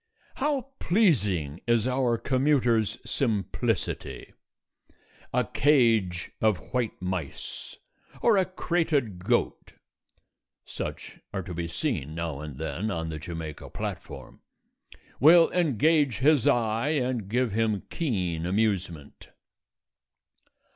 How pleasing is our commuter's simplicity! A cage of white mice, or a crated goat (such are to be seen now and then on the Jamaica platform) will engage his eye and give him keen amusement.